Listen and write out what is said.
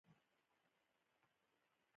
خو اشرف خان هېڅ ونه ويل.